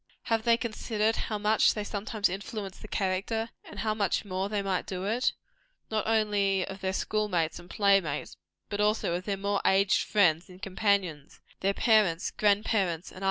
Have they considered how much they sometimes influence the character and how much more they might do it not only of their school mates and play mates, but also of their more aged friends and companions their parents, grand parents, and others?